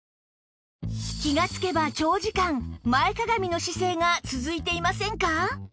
気がつけば長時間前かがみの姿勢が続いていませんか？